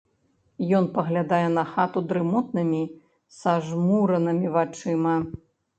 Ён паглядае на хату дрымотнымі сажмуранымі вачыма.